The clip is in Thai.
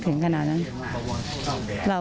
เขาต้องทำ